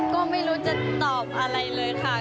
ก็ไม่รู้จะตอบอะไรเลยค่ะ